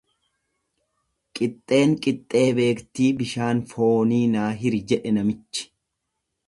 Qixxeen qixxee beektii bishaan foonii naa hiri jedhe namichi.